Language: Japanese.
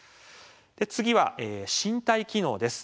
次は身体機能です。